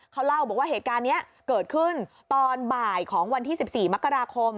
เขาเล่าบอกว่าเหตุการณ์นี้เกิดขึ้นตอนบ่ายของวันที่๑๔มกราคม